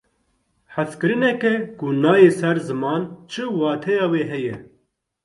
Hezkirineke ku neyê ser ziman, çi wateya wê heye?